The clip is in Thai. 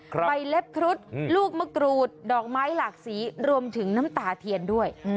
ใบเล็บครุฑลูกมะกรูดดอกไม้หลากสีรวมถึงน้ำตาเทียนด้วย